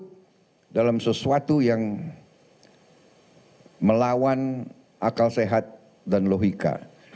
gerindra tidak mau ikut dalam sesuatu yang melawan akal sehat dan logika